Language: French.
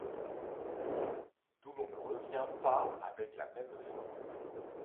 D’où l’on ne revient pas avec la même forme ;